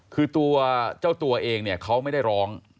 คือตัวเจ้าตัวเองเนี่ยเขาไม่ได้ร้อง